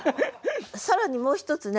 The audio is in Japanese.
更にもう一つね